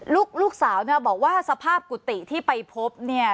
ลูกสาวเนี่ยบอกว่าสภาพกุฏิที่ไปพบเนี่ย